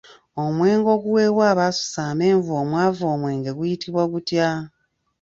Omwenge oguweebwa abaasusa amenvu omwava omwenge guyitibwa gutya?